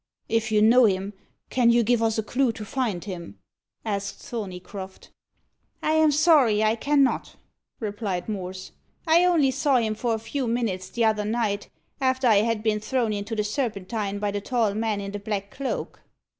"If you know him, can you give us a clue to find him?" asked Thorneycroft. "I am sorry I cannot," replied Morse. "I only saw him for a few minutes the other night, after I had been thrown into the Serpentine by the tall man in the black cloak."